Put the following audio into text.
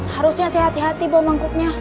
harusnya saya hati hati bawa mangkuknya